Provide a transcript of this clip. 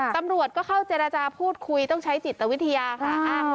ตำรวจก็เข้าเจรจาพูดคุยต้องใช้จิตวิทยาค่ะ